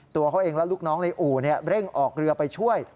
ตัวเขาเองและลูกน้องในอู่เร่งออกเรือไปช่วย